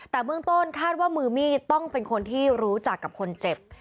แต่เบื้องต้นคาดว่ามือมีดต้องเป็นคนที่รู้จักกับคนเจ็บ